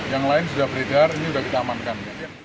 yang lain sudah beredar ini sudah kita amankan